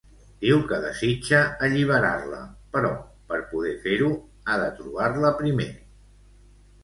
Diu que desitja alliberar-la, però per poder fer-ho, ha de trobar-la primer.